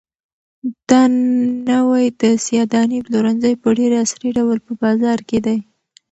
دا نوی د سیاه دانې پلورنځی په ډېر عصري ډول په بازار کې دی.